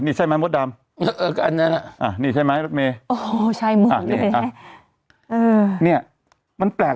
นี่ใช่ไหมมดดำอ่านี่ใช่ไหมโอ้โหใช่อ่าเนี้ยมันแปลก